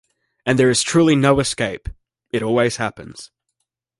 And there is truly no escape: It always happens.